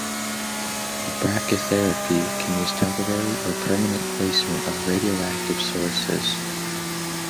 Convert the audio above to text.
Brachytherapy can use temporary or permanent placement of radioactive sources.